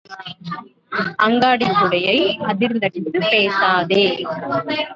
அங்காடிக் கூடையை அதிர்ந்தடித்துப் பேசாதே.